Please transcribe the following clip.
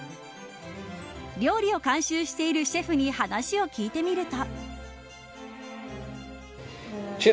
料理を監修しているシェフに話を聞いてみると。